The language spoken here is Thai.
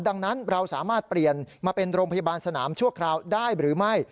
ดังนั้นเราสามารถเปลี่ยนมาเป็นโรงพยาบาลสนามชั่วคราวได้หรือไม่